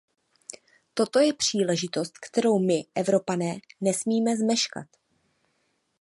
Toto je příležitost, kterou my, Evropané, nesmíme zmeškat.